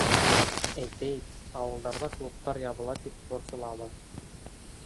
Әйтәйек, ауылдарҙа клубтар ябыла тип борсолабыҙ.